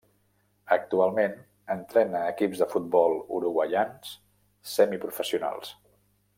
Actualment entrena equips de futbol uruguaians semiprofessionals.